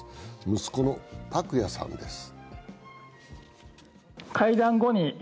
息子の拓也さんです。